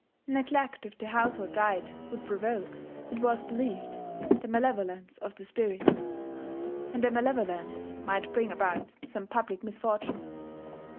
Neglect of the household rite would provoke, it was believed, the malevolence of the spirits; and their malevolence might bring about some public misfortune.